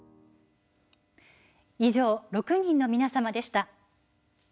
以上、６人の皆様でした。